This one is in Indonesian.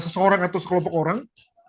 seseorang atau sekelompok orang